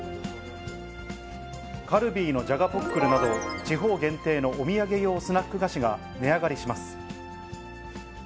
カルビーのじゃがポックルなど、地方限定のお土産用スナック菓子が値上がりします。